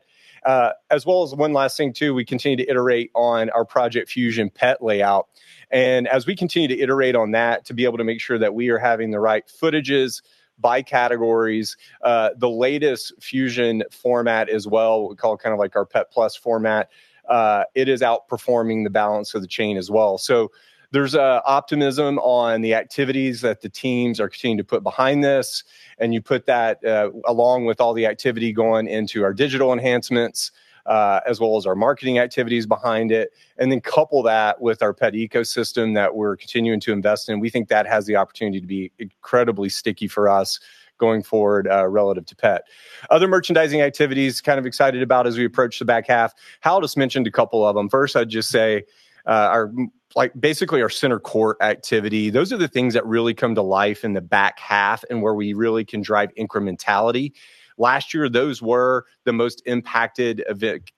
One last thing too, we continue to iterate on our Project Fusion pet layout. As we continue to iterate on that to be able to make sure that we are having the right footages by categories, the latest Project Fusion format as well, we call it our Pet Plus format, it is outperforming the balance of the chain as well. There's optimism on the activities that the teams are continuing to put behind this. You put that along with all the activity going into our digital enhancements, as well as our marketing activities behind it, and then couple that with our pet ecosystem that we're continuing to invest in. We think that has the opportunity to be incredibly sticky for us going forward, relative to pet. Other merchandising activities kind of excited about as we approach the back half. Hal just mentioned a couple of them. First, I'd just say, basically our center court activity, those are the things that really come to life in the back half and where we really can drive incrementality. Last year, those were the most impacted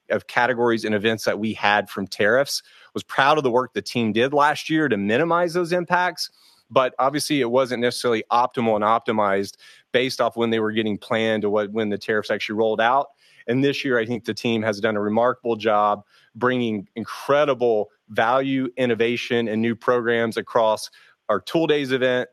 of categories and events that we had from tariffs. Was proud of the work the team did last year to minimize those impacts, but obviously it wasn't necessarily optimal and optimized based off when they were getting planned to when the tariffs actually rolled out. This year, I think the team has done a remarkable job bringing incredible value, innovation, and new programs across our tool days event,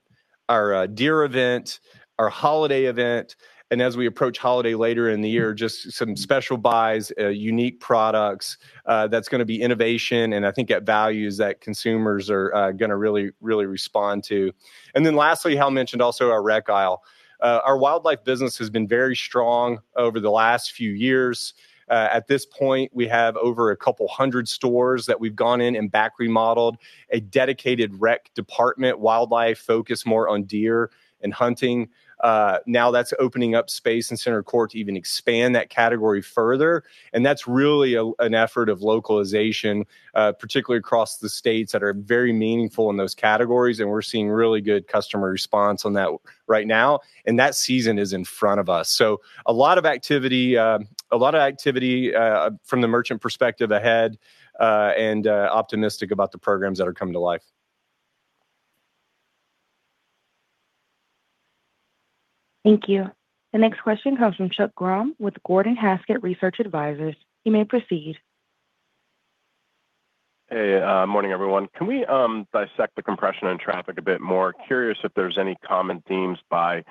our deer event, our holiday event, and as we approach holiday later in the year, just some special buys, unique products, that's going to be innovation, and I think at values that consumers are going to really respond to. Lastly, Hal mentioned also our rec aisle. Our wildlife business has been very strong over the last few years. At this point, we have over 200 stores that we've gone in and back remodeled, a dedicated rec department, wildlife focused more on deer and hunting. That's opening up space in center court to even expand that category further, and that's really an effort of localization, particularly across the states that are very meaningful in those categories, and we're seeing really good customer response on that right now. That season is in front of us. A lot of activity from the merchant perspective ahead, and optimistic about the programs that are coming to life. Thank you. The next question comes from Chuck Grom with Gordon Haskett Research Advisors. You may proceed. Hey, morning everyone. Can we dissect the compression on traffic a bit more? Curious if there's any common themes by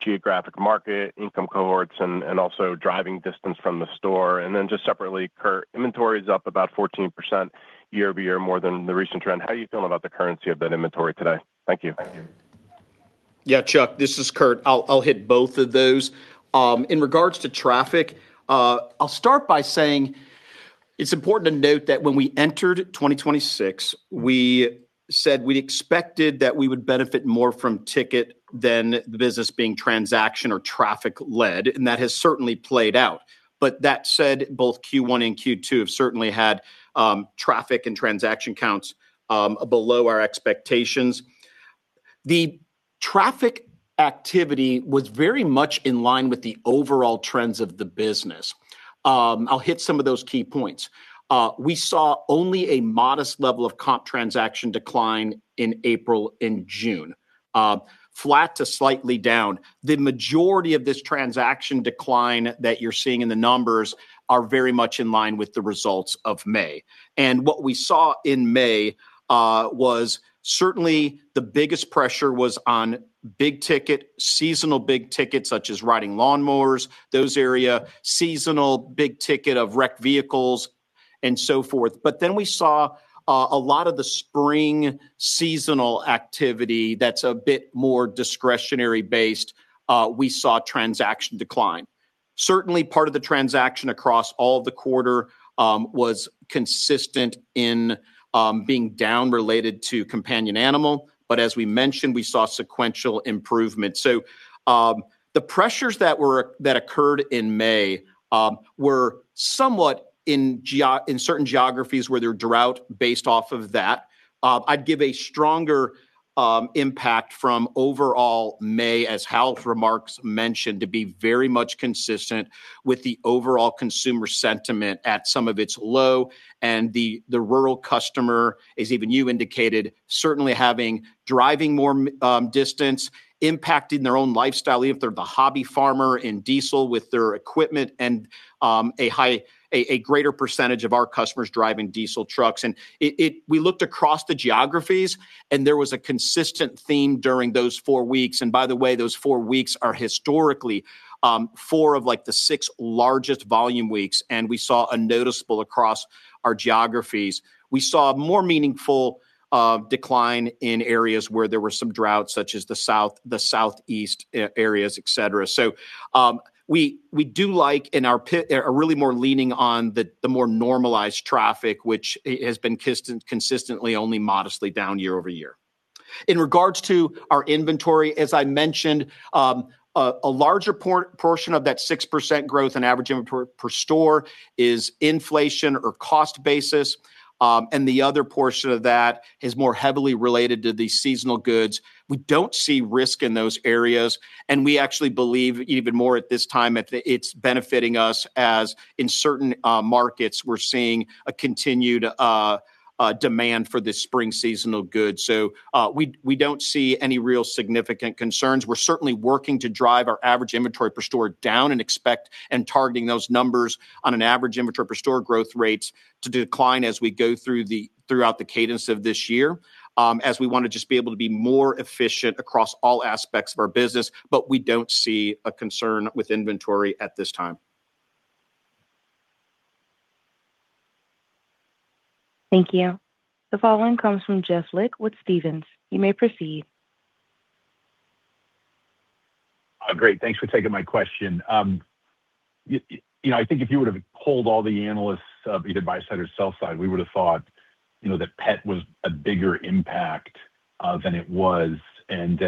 geographic market, income cohorts, and also driving distance from the store. Just separately, Kurt, inventory is up about 14% year-over-year more than the recent trend. How are you feeling about the currency of that inventory today? Thank you. Yeah, Chuck, this is Kurt. I'll hit both of those. In regards to traffic, I'll start by saying it's important to note that when we entered 2026, we said we expected that we would benefit more from ticket than the business being transaction or traffic led, and that has certainly played out. That said, both Q1 and Q2 have certainly had traffic and transaction counts below our expectations. The traffic activity was very much in line with the overall trends of the business. I'll hit some of those key points. We saw only a modest level of comp transaction decline in April and June. Flat to slightly down. The majority of this transaction decline that you're seeing in the numbers are very much in line with the results of May. What we saw in May was certainly the biggest pressure was on big ticket, seasonal big ticket, such as riding lawn mowers, those area, seasonal big ticket of wrecked vehicles and so forth. We saw a lot of the spring seasonal activity that's a bit more discretionary based, we saw transaction decline. Certainly part of the transaction across all the quarter was consistent in being down related to companion animal, but as we mentioned, we saw sequential improvement. The pressures that occurred in May were somewhat in certain geographies where there were drought based off of that. I'd give a stronger impact from overall May as Hal's remarks mentioned to be very much consistent with the overall consumer sentiment at some of its low, and the rural customer, as even you indicated, certainly having driving more distance impacting their own lifestyle, even if they're the hobby farmer in diesel with their equipment and a greater percentage of our customers driving diesel trucks. We looked across the geographies and there was a consistent theme during those four weeks. By the way, those four weeks are historically four of the six largest volume weeks, and we saw a noticeable across our geographies. We saw more meaningful decline in areas where there were some droughts such as the South, the Southeast areas, et cetera. We do like and are really more leaning on the more normalized traffic, which has been consistently only modestly down year-over-year. In regards to our inventory, as I mentioned, a larger portion of that 6% growth in average inventory per store is inflation or cost basis. The other portion of that is more heavily related to the seasonal goods. We don't see risk in those areas, and we actually believe even more at this time that it's benefiting us as in certain markets, we're seeing a continued demand for the spring seasonal goods. We don't see any real significant concerns. We're certainly working to drive our average inventory per store down and expect and targeting those numbers on an average inventory per store growth rates to decline as we go throughout the cadence of this year. As we want to just be able to be more efficient across all aspects of our business. We don't see a concern with inventory at this time. Thank you. The following comes from Jeff Lick with Stephens. You may proceed. Great. Thanks for taking my question. I think if you would have polled all the analysts, either buy side or sell side, we would have thought that pet was a bigger impact than it was. Then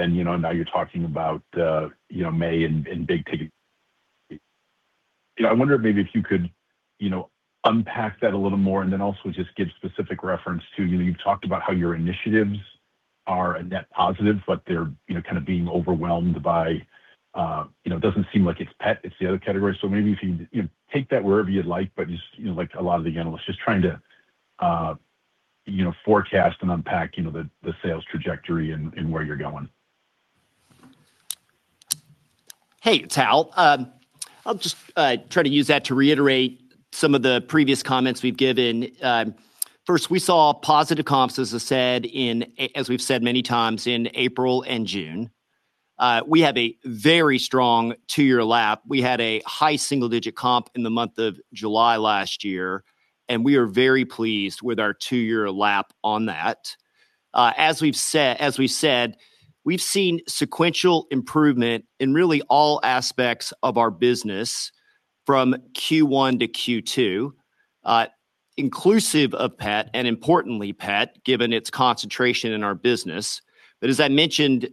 now you're talking about May and big ticket. I wonder maybe if you could unpack that a little more and then also just give specific reference to, you've talked about how your initiatives are a net positive, but they're kind of being overwhelmed by, it doesn't seem like it's pet, it's the other category. Maybe if you take that wherever you'd like, but just like a lot of the analysts, just trying to forecast and unpack the sales trajectory and where you're going. Hey, it's Hal. I'll just try to use that to reiterate some of the previous comments we've given. First, we saw positive comps, as we've said many times, in April and June. We have a very strong two year lap. We had a high single-digit comp in the month of July last year, and we are very pleased with our two year lap on that. As we've said, we've seen sequential improvement in really all aspects of our business from Q1-Q2, inclusive of pet and importantly pet, given its concentration in our business. As I mentioned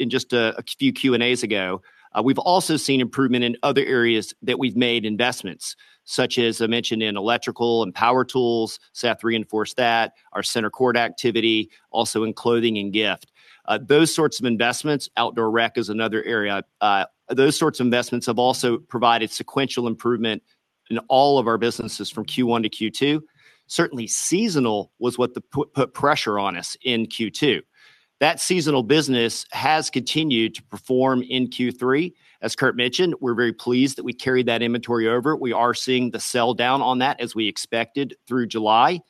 in just a few Q&As ago, we've also seen improvement in other areas that we've made investments, such as I mentioned in electrical and power tools. Seth reinforced that. Our center court activity, also in clothing and gift. Those sorts of investments, outdoor rec is another area. Those sorts of investments have also provided sequential improvement in all of our businesses from Q1-Q2. Certainly seasonal was what put pressure on us in Q2. That seasonal business has continued to perform in Q3. As Kurt mentioned, we're very pleased that we carried that inventory over. We are seeing the sell down on that as we expected through July.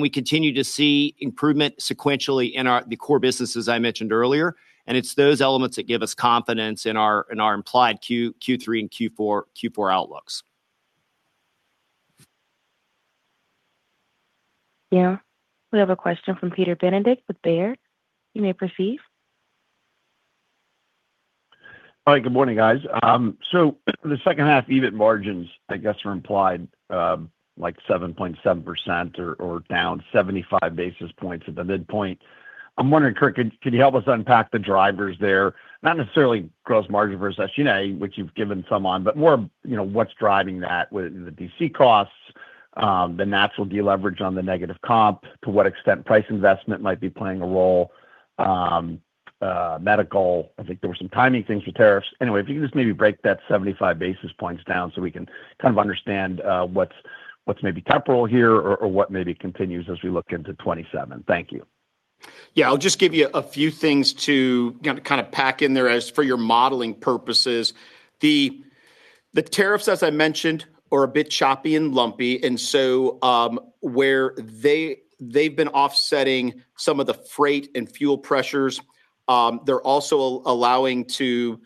We continue to see improvement sequentially in the core business as I mentioned earlier. It's those elements that give us confidence in our implied Q3 and Q4 outlooks. Yeah. We have a question from Peter Benedict with Baird. You may proceed. Hi. Good morning, guys. The H2 EBIT margins, I guess, are implied like 7.7% or down 75 basis points at the midpoint. I'm wondering, Kurt, can you help us unpack the drivers there? Not necessarily gross margin versus SG&A, which you've given some on, but more what's driving that with the DC costs, the natural deleverage on the negative comp, to what extent price investment might be playing a role, medical, I think there were some timing things for tariffs. Anyway, if you can just maybe break that 75 basis points down so we can kind of understand what's maybe temporal here or what maybe continues as we look into 2027. Thank you. Yeah, I'll just give you a few things to kind of pack in there as for your modeling purposes. The tariffs, as I mentioned, are a bit choppy and lumpy, where they've been offsetting some of the freight and fuel pressures, they're also allowing to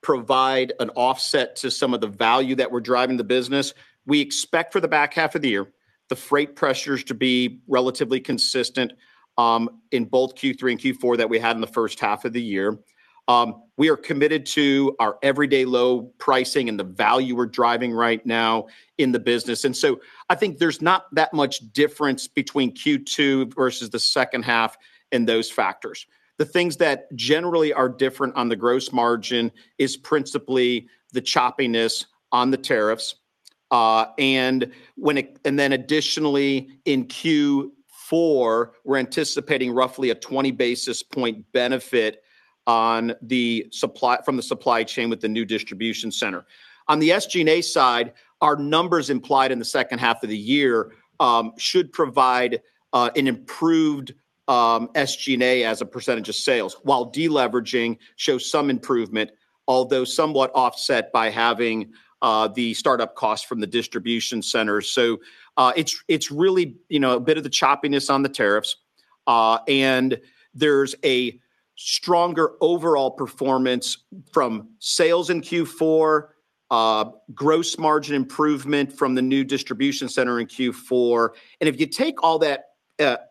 provide an offset to some of the value that we're driving the business. We expect for the back half of the year, the freight pressures to be relatively consistent, in both Q3 and Q4 that we had in the H1 of the year. We are committed to our everyday low pricing and the value we're driving right now in the business. I think there's not that much difference between Q2 versus the H2 in those factors. The things that generally are different on the gross margin is principally the choppiness on the tariffs. Additionally, in Q4, we're anticipating roughly a 20 basis point benefit from the supply chain with the new distribution center. On the SG&A side, our numbers implied in the H2 of the year should provide an improved SG&A as a percentage of sales, while deleveraging shows some improvement, although somewhat offset by having the startup costs from the distribution center. It's really a bit of the choppiness on the tariffs. There's a stronger overall performance from sales in Q4, gross margin improvement from the new distribution center in Q4. If you take all that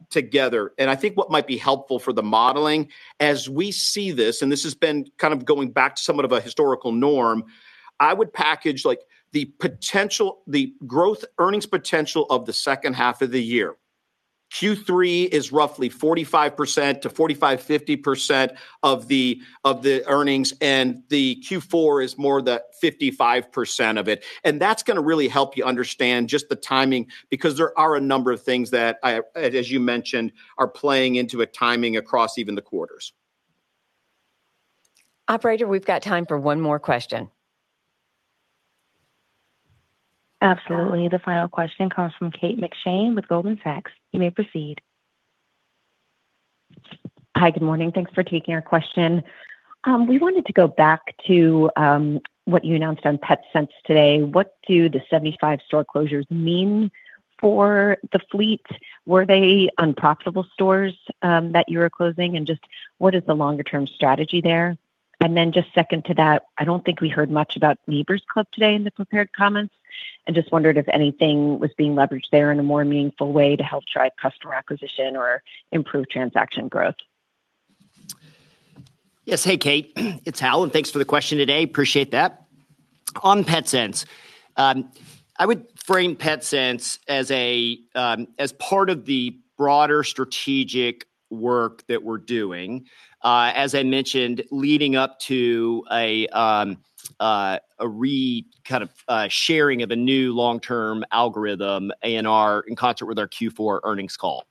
together, and I think what might be helpful for the modeling as we see this, and this has been kind of going back to somewhat of a historical norm, I would package the growth earnings potential of the H2 of the year. Q3 is roughly 45% to 45, 50% of the earnings, and the Q4 is more the 55% of it. That's going to really help you understand just the timing, because there are a number of things that, as you mentioned, are playing into a timing across even the quarters. Operator, we've got time for one more question. Absolutely. The final question comes from Kate McShane with Goldman Sachs. You may proceed. Hi. Good morning. Thanks for taking our question. We wanted to go back to what you announced on Petsense today. What do the 75 store closures mean for the fleet? Were they unprofitable stores that you were closing? Just what is the longer term strategy there? Just second to that, I don't think we heard much about Neighbor's Club today in the prepared comments, and just wondered if anything was being leveraged there in a more meaningful way to help drive customer acquisition or improve transaction growth. Yes. Hey, Kate, it's Hal. Thanks for the question today. Appreciate that. On Petsense, I would frame Petsense as part of the broader strategic work that we're doing. As I mentioned, leading up to a re kind of sharing of a new long-term algorithm in concert with our Q4 earnings call.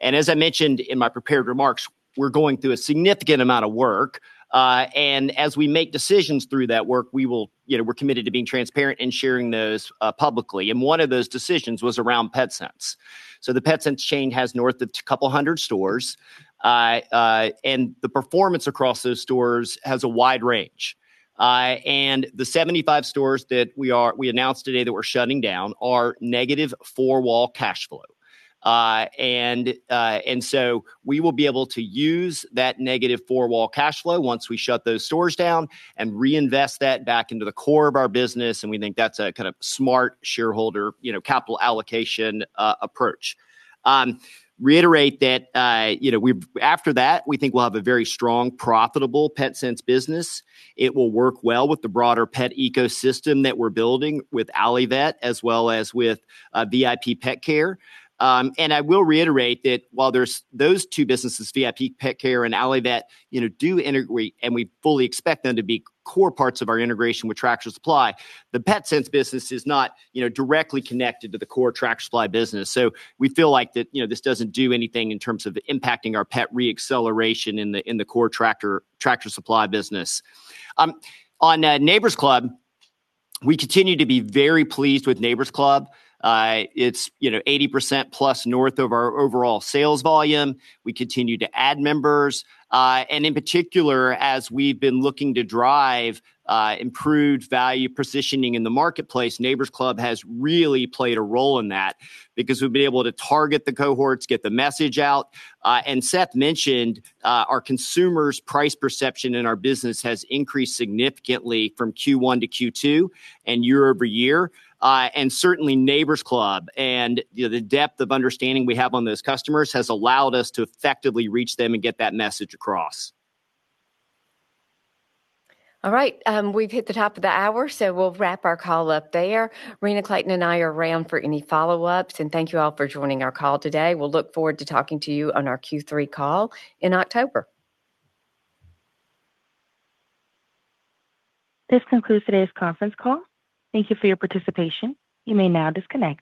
As I mentioned in my prepared remarks, we're going through a significant amount of work. As we make decisions through that work, we're committed to being transparent and sharing those publicly. One of those decisions was around Petsense. The Petsense chain has north of a couple of hundred stores. The performance across those stores has a wide range. The 75 stores that we announced today that we're shutting down are negative four-wall cash flow. We will be able to use that negative four-wall cash flow once we shut those stores down and reinvest that back into the core of our business. We think that's a kind of smart shareholder capital allocation approach. Reiterate that after that, we think we'll have a very strong, profitable Petsense business. It will work well with the broader pet ecosystem that we're building with Allivet as well as with VIP Petcare. I will reiterate that while those two businesses, VIP Petcare and Allivet, do integrate and we fully expect them to be core parts of our integration with Tractor Supply, the Petsense business is not directly connected to the core Tractor Supply business. We feel like that this doesn't do anything in terms of impacting our pet re-acceleration in the core Tractor Supply business. On Neighbor's Club, we continue to be very pleased with Neighbor's Club. It's 80% plus north of our overall sales volume. We continue to add members. In particular, as we've been looking to drive improved value positioning in the marketplace, Neighbor's Club has really played a role in that because we've been able to target the cohorts, get the message out. Seth mentioned our consumers' price perception in our business has increased significantly from Q1-Q2 and year-over-year. Certainly Neighbor's Club and the depth of understanding we have on those customers has allowed us to effectively reach them and get that message across. All right. We've hit the top of the hour, so we'll wrap our call up there. Rena, Clayton, and I are around for any follow-ups. Thank you all for joining our call today. We'll look forward to talking to you on our Q3 call in October. This concludes today's conference call. Thank you for your participation. You may now disconnect.